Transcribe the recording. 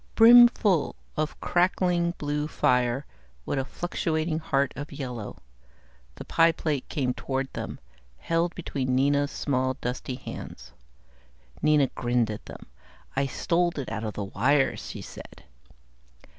Brimfull of crackling blue fire with a fluctuating heart of yellow, the pie plate came toward them, held between Nina's small, dusty hands. Nina grinned at them. "I stole it out of the wires," she said.